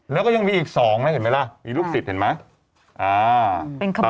แล้วก็ยังมีอีก๒นะเห็นไหมล่ะมีลูกศิษย์เห็นไหม